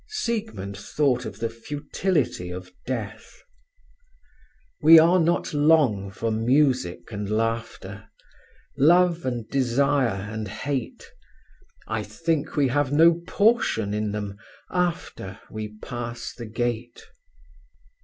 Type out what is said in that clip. Siegmund thought of the futility of death: We are not long for music and laughter, Love and desire and hate; I think we have no portion in them after We pass the gate.